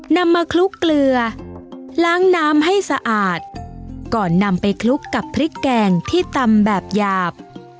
นำมาคลุกเกลือล้างน้ำให้สะอาดก่อนนำไปคลุกกับพริกแกงที่ตำแบบหยาบ